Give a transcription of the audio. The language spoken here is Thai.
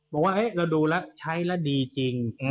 บอกว่าเราดูแล้วใช้แล้วดีจริง